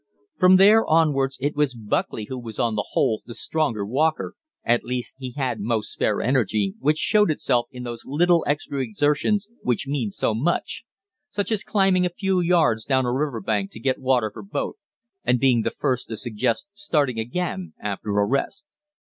From there onwards it was Buckley who was on the whole the stronger walker, at least he had most spare energy, which showed itself in those little extra exertions which mean so much such as climbing a few yards down a river bank to get water for both, and being the first to suggest starting again after a rest.